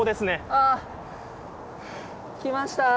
あ来ました。